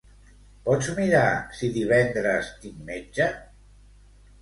Pots mirar si divendres tinc metge?